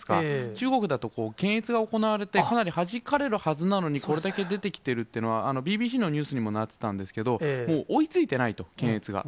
中国だと、検閲が行われてかなりはじかれるはずなのに、これだけ出てきてるっていうのは、ＢＢＣのニュースにもなってたんですけど、もう追いついてないと、検閲が。